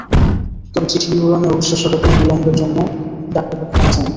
তবে চিঠি বিতরণে অবিশ্বাস্য রকম বিলম্বের জন্য ডাক বিভাগ ক্ষমা চায়নি।